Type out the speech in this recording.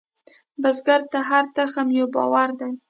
بزګر ته هره تخم یو باور دی